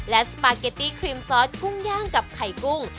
และสปาเกตตี้ครีมซอสกุ้งย่างกับไข่กุ้ง